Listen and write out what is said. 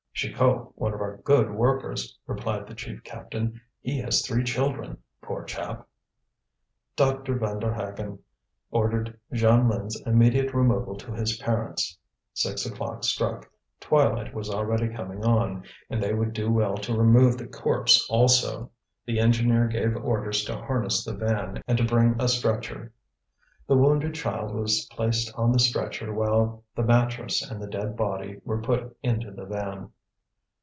"Chicot! one of our good workers," replied the chief captain. "He has three children. Poor chap!" Dr. Vanderhaghen ordered Jeanlin's immediate removal to his parents'. Six o'clock struck, twilight was already coming on, and they would do well to remove the corpse also; the engineer gave orders to harness the van and to bring a stretcher. The wounded child was placed on the stretcher while the mattress and the dead body were put into the van.